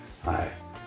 はい。